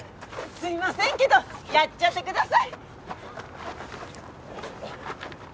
すいませんけどやっちゃってください。